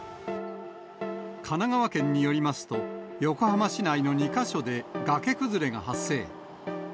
神奈川県によりますと、横浜市内の２か所で、崖崩れが発生。